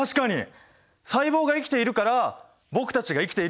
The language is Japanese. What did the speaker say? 細胞が生きているから僕たちが生きているってことだもんね。